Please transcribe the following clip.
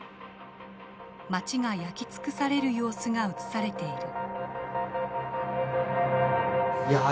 町が焼き尽くされる様子が映されている。